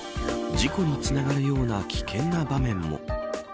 事故につながるような危険な場面も。